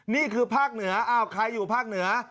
นี่คือภาคเหนืออ้าวใครอยู่ภาคเหนือ